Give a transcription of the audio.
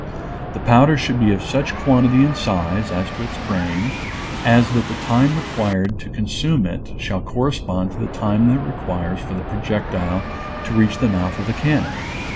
The powder should be of such quantity and size, as to its grains, as that the time required to consume it shall correspond to the time that it requires for the projectile to reach the mouth of the cannon.